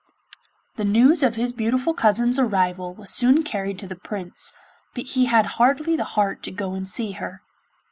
The news of his beautiful cousin's arrival was soon carried to the Prince, but he had hardly the heart to go and see her.